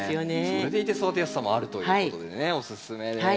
それでいて育てやすさもあるということでねおすすめです。